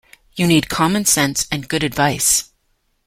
You need common sense and good advice.